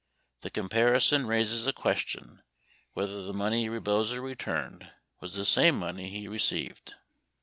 The comparison raises a question whether the money Rebozo returned was the same money he received.